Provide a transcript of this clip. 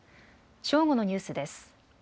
正午のニュースです。